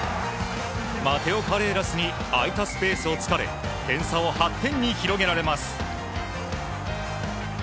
マテオ・カレーラスに空いたスペースを突かれ点差を８点に広げられます。